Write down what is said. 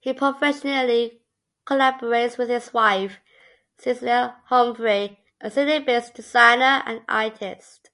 He professionally collaborates with his wife, Cecilia Humphrey, a Sydney-based designer and artist.